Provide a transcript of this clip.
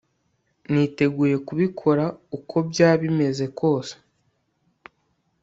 niteguye kubikora ukobya bimeze kose